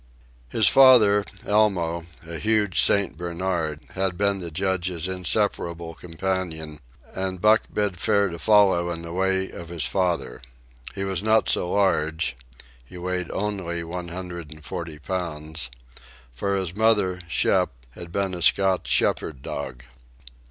His father, Elmo, a huge St. Bernard, had been the Judge's inseparable companion, and Buck bid fair to follow in the way of his father. He was not so large,—he weighed only one hundred and forty pounds,—for his mother, Shep, had been a Scotch shepherd dog.